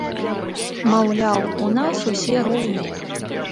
Маўляў, у нас усе роўныя.